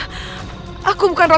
tidak bisa naka